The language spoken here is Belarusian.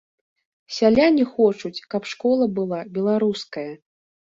Сяляне хочуць, каб школа была беларуская.